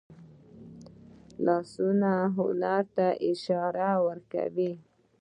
لاسونه هنر ته اشاره کوي